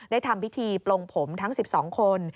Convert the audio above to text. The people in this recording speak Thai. ทำพิธีปลงผมทั้ง๑๒คน